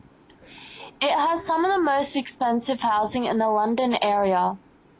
It has some of the most expensive housing in the London area.